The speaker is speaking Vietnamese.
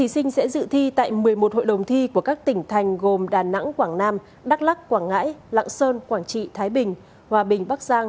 xin chào các bạn